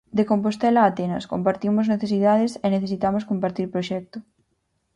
De Compostela a Atenas, compartimos necesidades e necesitamos compartir proxecto.